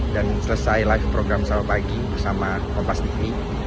dan selesai live program selama pagi bersama kompastv